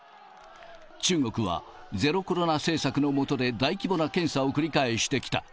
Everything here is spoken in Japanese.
中国はゼロコロナ政策の下で大規模な検査を繰り返してきた。